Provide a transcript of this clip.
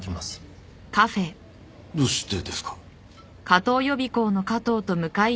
どうしてですか？